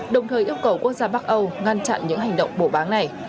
đồng thời yêu cầu quốc gia bắc âu ngăn chặn những hành động bổ bán này